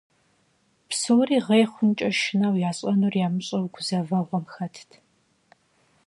Псори гъей хъункӏэ шынэу, ящӏэнур ямыщӏэу гузэвэгъуэм хэтт.